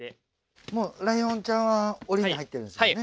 もうライオンちゃんは檻に入ってるんですよね？